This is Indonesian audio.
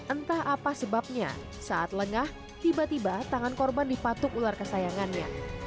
entah apa sebabnya saat lengah tiba tiba tangan korban dipatuk ular kesayangannya